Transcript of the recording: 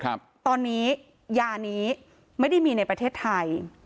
ครับตอนนี้ยานี้ไม่ได้มีในประเทศไทย